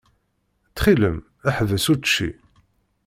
Ttxil-m, ḥbes učči.